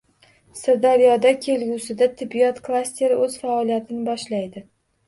Sirdaryoda kelgusida Tibbiyot klasteri o‘z faoliyatini boshlaydi